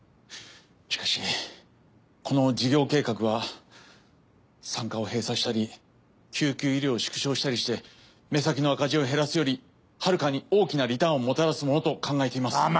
しかしこの事業計画は産科を閉鎖したり救急医療を縮小したりして目先の赤字を減らすよりはるかに大きなリターンをもたらすものと考えています。